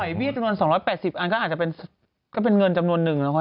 หอยเบี้ยจำนวน๒๘๐อันก็อาจจะเป็นเงินจำนวนหนึ่ง